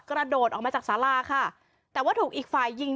กระโดดออกมาจากสาราค่ะแต่ว่าถูกอีกฝ่ายยิง